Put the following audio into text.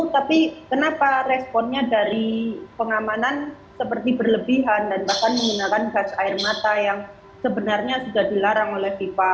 tapi kenapa responnya dari pengamanan seperti berlebihan dan bahkan menggunakan gas air mata yang sebenarnya sudah dilarang oleh fifa